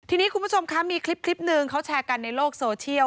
ทีนี้คุณผู้ชมคะมีคลิปหนึ่งเขาแชร์กันในโลกโซเชียล